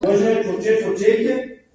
هغوی له دې دوو منطقي ځانګړتیاوو برخمن وو.